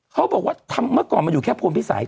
เขาบอกว่าเมื่อก่อนมันอยู่แค่พลพิสัย